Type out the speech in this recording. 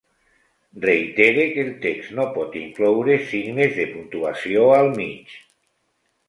Reitere que el text no pot incloure signes de puntuació al mig.